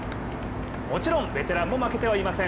もちろんベテランも負けてはいません。